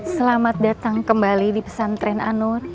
selamat datang kembali di pesantren an nur